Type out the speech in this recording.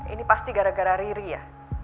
ini pasti gara gara riri ya